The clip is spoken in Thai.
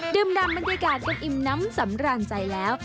ดึมดำบันไดกาศก็อิ่มน้ำสำราญใจแล้ว